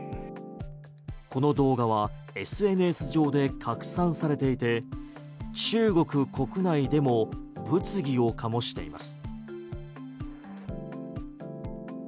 この動画はＳＮＳ上で拡散されていて中国国内でも物議を醸しています。